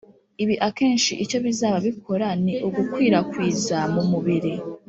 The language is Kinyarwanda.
ibi akenshi icyo bizaba bikora ni ugukwirakwiza mu mubiri